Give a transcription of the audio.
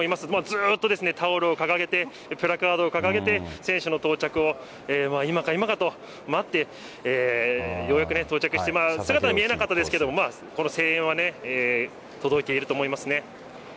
ずっとタオルを掲げて、プラカードを掲げて、選手の到着を今か今かと待って、ようやく到着して、姿は見えなかったですけど、この声援は届いていると思いますね。